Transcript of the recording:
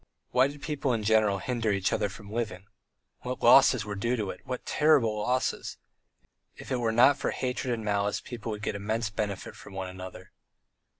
Why did people in general hinder each other from living? What losses were due to it! what terrible losses! If it were not for hatred and malice people would get immense benefit from one another.